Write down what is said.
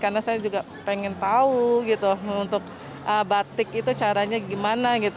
karena saya juga pengen tahu gitu untuk batik itu caranya gimana gitu